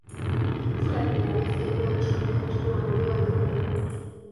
Fue la primera vez que uno de los campeones no acudió al torneo.